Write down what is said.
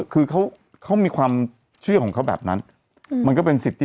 คือเขามีความเชื่อของเขาแบบนั้นมันก็เป็นสิทธิ